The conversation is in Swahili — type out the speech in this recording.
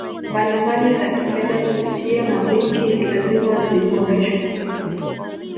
mbalimbali za Kifedha kupitia mabenki ni lazima ziboreshwe